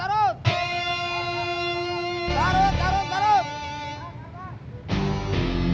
garut garut garut